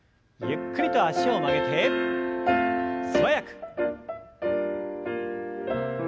ゆっくりと脚を曲げて素早く。